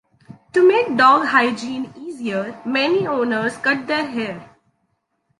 To make dog hygiene easier, many owners cut their hair.